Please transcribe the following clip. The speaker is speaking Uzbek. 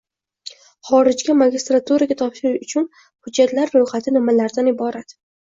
Xorijga magistraturaga topshirish uchun hujjatlar ro'yxati nimalardan iborat?